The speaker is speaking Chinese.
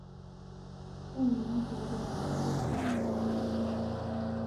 凤鸣古冢的历史年代为宋代。